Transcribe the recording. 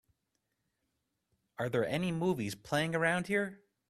are there any movies playing around here